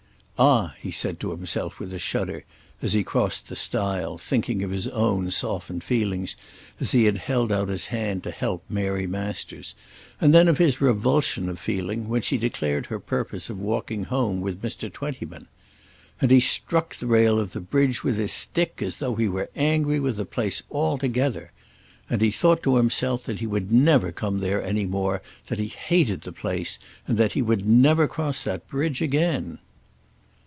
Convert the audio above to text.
"Ah!" he said to himself with a shudder as he crossed the stile, thinking of his own softened feelings as he had held out his hand to help Mary Masters, and then of his revulsion of feeling when she declared her purpose of walking home with Mr. Twentyman. And he struck the rail of the bridge with his stick as though he were angry with the place altogether. And he thought to himself that he would never come there any more, that he hated the place, and that he would never cross that bridge again.